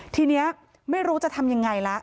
ทีนี้ไม่รู้จะทำยังไงละ